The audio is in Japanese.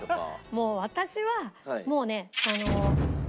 もう私はもうね。